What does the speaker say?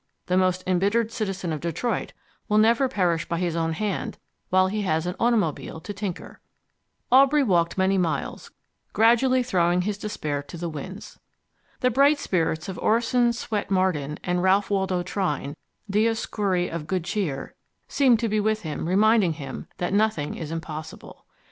The most embittered citizen of Detroit will never perish by his own hand while he has an automobile to tinker. Aubrey walked many miles, gradually throwing his despair to the winds. The bright spirits of Orison Swett Marden and Ralph Waldo Trine, Dioscuri of Good Cheer, seemed to be with him reminding him that nothing is impossible.